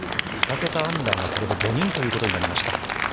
２桁アンダーが、５人ということになりました。